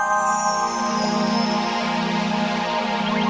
teteh harus menikah sama mereka